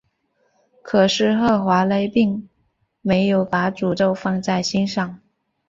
可是赫华勒没有把诅咒放在心上。